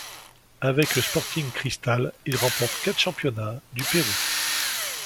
Avec le Sporting Cristal, il remporte quatre championnats du Pérou.